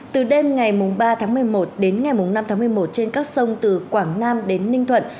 từ đêm ngày ba tháng một mươi một đến ngày năm tháng một mươi một trên các sông từ quảng nam đến ninh thuận